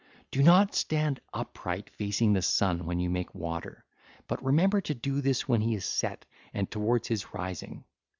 (ll. 727 732) Do not stand upright facing the sun when you make water, but remember to do this when he has set towards his rising.